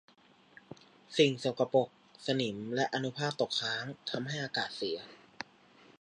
สิ่งสกปรกสนิมและอนุภาคตกค้างทำให้อากาศเสีย